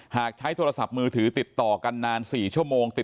หากใช้โทรศัพท์มือถือติดต่อกันนาน๔ชั่วโมงติด